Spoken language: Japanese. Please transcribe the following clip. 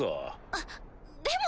あっでも。